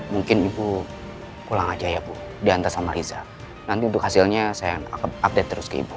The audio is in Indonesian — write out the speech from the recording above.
mungkin ibu pulang aja ya bu diantar sama riza nanti untuk hasilnya saya akan update terus ke ibu